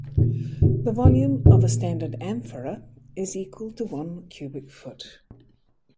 The volume of a standard amphora is equal to one cubic foot.